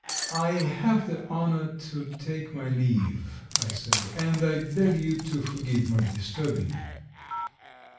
"I have the honour to take my leave," I said, "and I beg you to forgive my disturbing you.